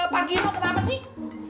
pak gino kenapa sih